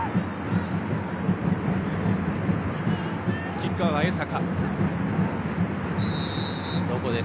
キッカーは江坂。